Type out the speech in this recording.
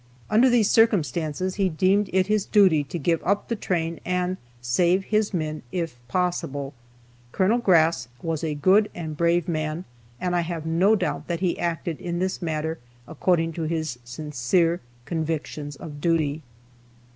Under these circumstances he deemed it his duty to give up the train, and save his men, if possible. Col. Grass was a good and brave man, and I have no doubt that he acted in this matter according to his sincere convictions of duty.